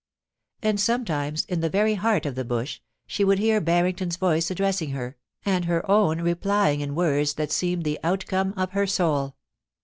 And sometimes, in the very heart of the bush, she would hear Barrington's voice addressing her, and her own reply ing in words that seemed the outcome of her soul.